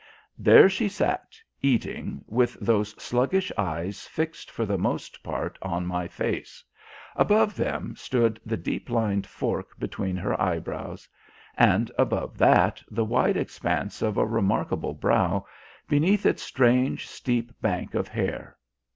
There she sat, eating, with those sluggish eyes fixed for the most part on my face; above them stood the deep lined fork between her eyebrows; and above that the wide expanse of a remarkable brow beneath its strange steep bank of hair.